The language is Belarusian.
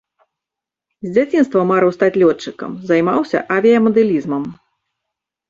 З дзяцінства марыў стаць лётчыкам, займаўся авіямадэлізмам.